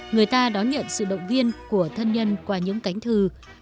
người ta đón nhận sự động viên của thân nhân qua những cánh thư